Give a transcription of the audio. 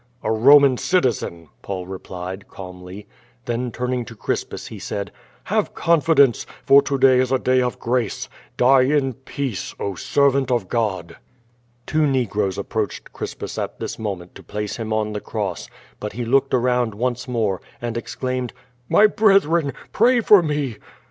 "A Roman citizen," Paul replied, calmly. Then turning to Crispus, he said: "Have confidence, for to day is a day of grace; die in peace, oh, servant of God!" Two negroes approached Crispus at this moment to place him on the cross, but he looked around once more, and ex claimed: "My brethren, pray for me!"